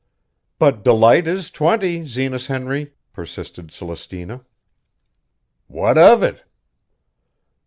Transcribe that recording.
"But Delight is twenty, Zenas Henry," persisted Celestina. "What of it?"